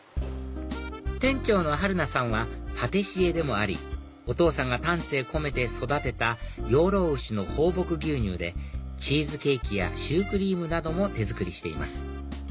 店長の春菜さんはパティシエでもありお父さんが丹精込めて育てた養老牛の放牧牛乳でチーズケーキやシュークリームなども手作りしています